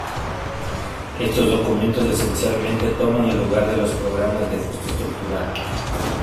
Estos documentos esencialmente toman el lugar de los programas de ajuste estructural.